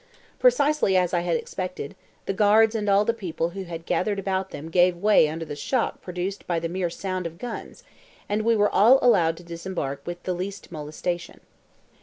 Precisely as I had expected, the guards and all the people who had gathered about them gave way under the shock produced by the mere sound of guns, and we were all allowed to disembark with the least molestation.